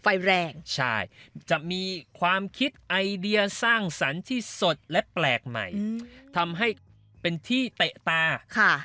ไฟแรงใช่จะมีความคิดไอเดียสร้างสรรค์ที่สดและแปลกใหม่อืมทำให้เป็นที่เตะตาค่ะ